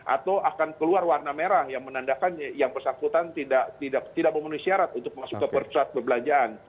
atau akan keluar warna merah yang menandakan yang bersangkutan tidak memenuhi syarat untuk masuk ke pusat perbelanjaan